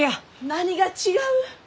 ・何が違う？